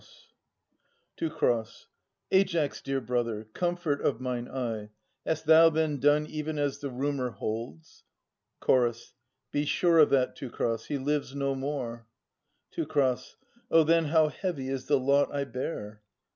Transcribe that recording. Teu. Aias, dear brother, comfort of mine eye, Hast thou then done even as the rumour holds? Ch. Be sure of that, Teucer. He lives no more. Teu. Oh, then how heavy is the lot I bear